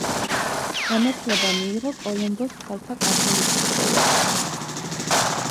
განათლება მიიღო კოლომბოს ქალთა კათოლიკურ სკოლაში.